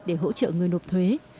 để hỗ trợ người nộp thuế